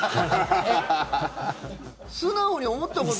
素直に思ったこと。